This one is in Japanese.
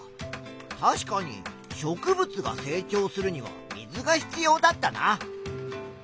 確かに植物が成長するには水が必要だったな。